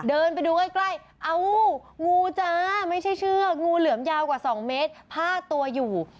เดินไปดูใกล้ใกล้เอ้างูจ้าไม่ใช่เชือกงูเหลือมยาวกว่า๒เมตรพาดตัวอยู่